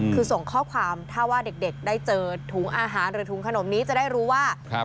คือส่งข้อความถ้าว่าเด็กได้เจอถุงอาหารหรือถุงขนมนี้จะได้รู้ว่า